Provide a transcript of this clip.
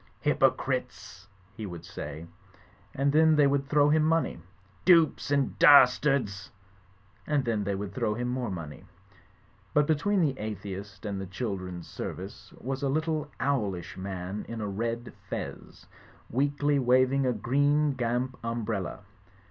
"H)rpocritesl" he would say; and then they would throw him money. "Dupes and das tards I" and then they would throw him more money. But between the atheist and the children's service was a little owlish man in a red fez, weakly waving a green gamp umbrella.